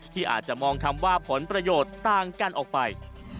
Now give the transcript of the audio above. ที่อาจจะมองคำว่าผลประโยชน์ต่างกันออกไป